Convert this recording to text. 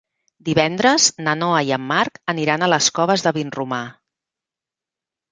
Divendres na Noa i en Marc aniran a les Coves de Vinromà.